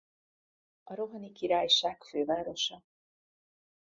A Rohani Királyság fővárosa.